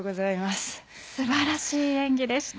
素晴らしい演技でした。